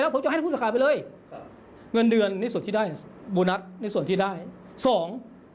สองสบายสวัสดีการดังที่กวนได้ที่กวนได้รับ